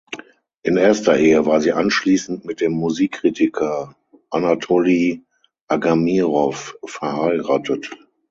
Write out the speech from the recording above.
In erster Ehe war sie anschließend mit dem Musikkritiker Anatoli Agamirow verheiratet.